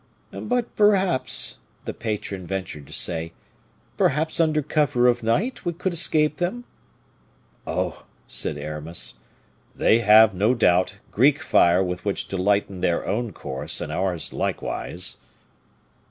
"But, perhaps," the patron ventured to say, "perhaps under cover of night, we could escape them." "Oh!" said Aramis, "they have, no doubt, Greek fire with which to lighten their own course and ours likewise."